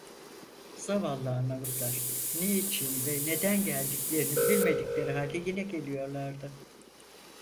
Zavallı Arnavutlar, ne için ve neden geldiklerini bilmedikleri halde yine geliyorlardı.